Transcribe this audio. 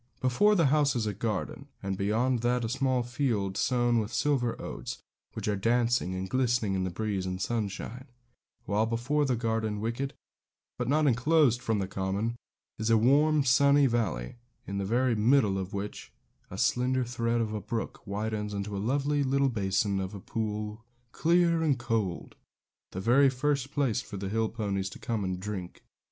Before the house is a garden; and beyond that a small field sown with silver oats, which are dancing and glistening in the breeze and sunshine; while before the garden wicket, but not enclosed from the common, is a warm, sunny valley, in the very middle of which a slender thread of a brook widens into a lovely little basin of a pool, clear and cold, the very place for the hill ponies to come and drink.